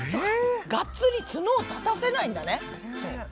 がっつりツノを立たせないんだね。